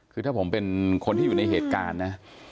คือถ้าผมเป็นคนที่อยู่ในเหตุการณ์นะ